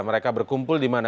mereka berkumpul di mana